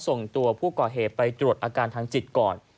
ส่งตัวผู้ก่อเหตุไปตรวจอาการทางจิตก่อน